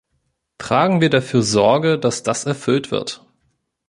Tragen wir dafür Sorge, dass das erfüllt wird.